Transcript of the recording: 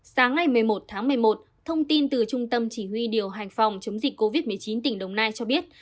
sáng ngày một mươi một tháng một mươi một thông tin từ trung tâm chỉ huy điều hành phòng chống dịch covid một mươi chín tỉnh đồng nai cho biết